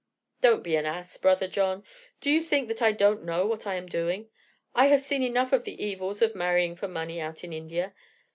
"Don't be an ass, brother John. Do you think that I don't know what I am doing? I have seen enough of the evils of marrying for money out in India.